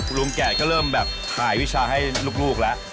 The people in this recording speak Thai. ลุงแก่ก็เริ่มแบบถ่ายวิชาให้ลูกแล้ว